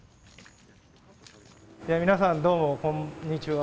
皆さんどうもこんにちは。